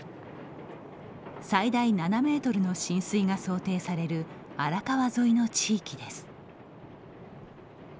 最大７ｍの浸水が想定される荒川沿いの地域です。